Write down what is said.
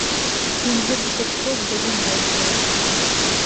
Йүнһеҙ итексе беҙен ғәйепләр.